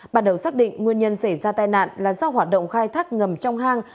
bắt đầu xác định nguyên nhân xảy ra tai nạn là do hoạt động khai thác ngầm trong hang